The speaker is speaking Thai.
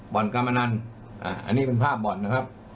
บ่อนกรรมนันอันนี้เป็นภาพบ่อนนะครับ